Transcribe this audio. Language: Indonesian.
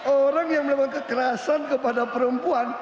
orang yang melakukan kekerasan kepada perempuan